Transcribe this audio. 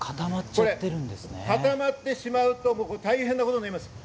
これ固まってしまうと大変なことになります。